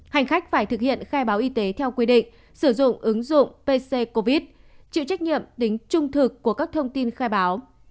hành khách phải thực hiện khai báo y tế theo quy định sử dụng ứng dụng pc covid chịu trách nhiệm tính trung thực của các thông tin khai báo